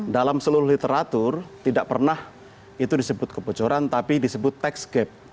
dalam seluruh literatur tidak pernah itu disebut kebocoran tapi disebut tax gap